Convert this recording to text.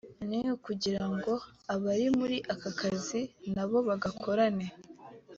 ni ukugira ngo abari muri ako kazi n’abo bagakorana